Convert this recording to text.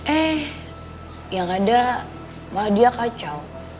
eh yang ada malah dia kacau